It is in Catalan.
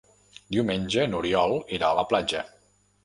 Diumenge n'Oriol irà a la platja.